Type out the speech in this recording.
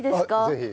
ぜひ。